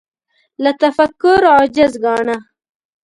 له تفکر عاجز ګاڼه